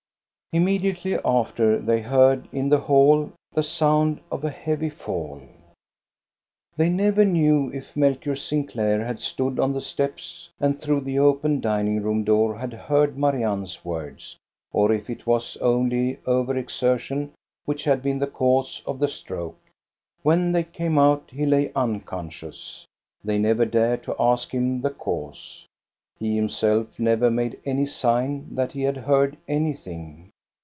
Immediately after, they heard in the hall the sound of a heavy fall. They never knew if Melchior Sinclair had stood on the steps and through the open dining room door had heard Marianne's words, or if it was only over exertion OLD SONGS 363 which had been the cause of the stroke. When they came out he lay unconscious. They never dared to ask him the cause. He himself never made any sign that he had heard anything.